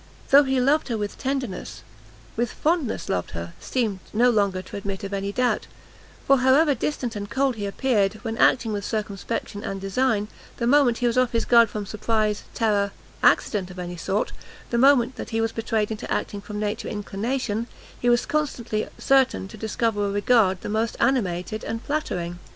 That he loved her with tenderness, with fondness loved her, seemed no longer to admit of any doubt, for however distant and cold he appeared, when acting with circumspection and design, the moment he was off his guard from surprise, terror, accident of any sort, the moment that he was betrayed into acting from nature and inclination, he was constantly certain to discover a regard the most animated and flattering.